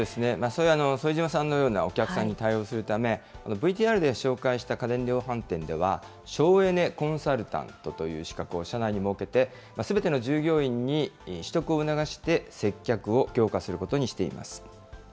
そういう副島さんのようなお客さんに対応するため、ＶＴＲで紹介した家電量販店では、省エネコンサルタントという資格を社内に設けて、すべての従業員に取得を促して、接客を強次です。